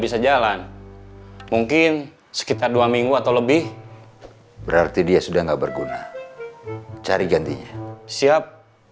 bisa jalan mungkin sekitar dua minggu atau lebih berarti dia sudah nggak berguna cari gantinya siap